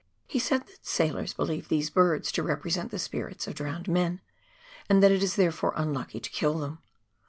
He said that sailors believe these birds to represent the spirits of drowned men, and that it is therefore unlucky to kill them.